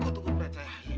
kutuk kupret saya